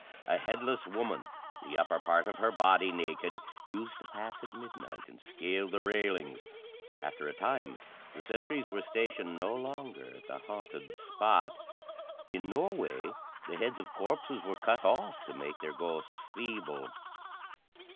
A headless woman, the upper part of her body naked, used to pass at midnight and scale the railings. After a time the sentries were stationed no longer at the haunted spot. In Norway the heads of corpses were cut off to make their ghosts feeble.